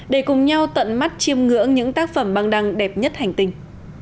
để cùng nhau tận mắt chiêm ngưỡng những tác phẩm băng đăng đẹp nhất hành tinh